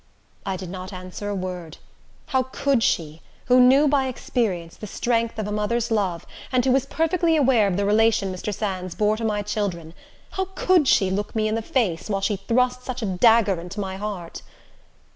I did not answer a word. How could she, who knew by experience the strength of a mother's love, and who was perfectly aware of the relation Mr. Sands bore to my children,—how could she look me in the face, while she thrust such a dagger into my heart?